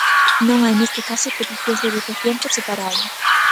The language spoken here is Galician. Non hai neste caso peticións de votación por separado.